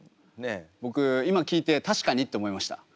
僕今聞いて確かにって思いました。